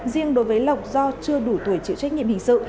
riêng đối với lộc do chưa đủ tuổi chịu trách nhiệm hình sự